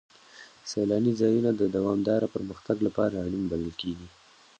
سیلاني ځایونه د دوامداره پرمختګ لپاره اړین بلل کېږي.